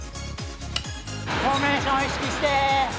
フォーメーション意識して！